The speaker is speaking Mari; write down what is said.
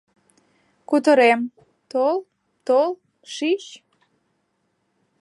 Кутырем... тол, тол, шич!..